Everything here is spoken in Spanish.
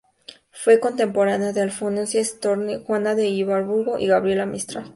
Fue contemporánea de Alfonsina Storni, Juana de Ibarbourou y Gabriela Mistral.